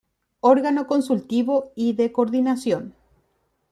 Órgano consultivo y de coordinación.